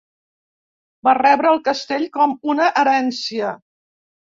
Va rebre el castell com una herència.